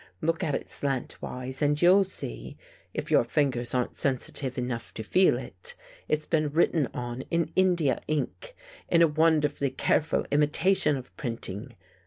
Look at it slantwise and you'll see, if your fingers aren't sensitive enough to feel it. It's been written on in India ink, in a wonderfully careful imi tation of printing.